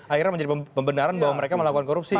akhirnya menjadi pembendaraan bahwa mereka melakukan korupsi gitu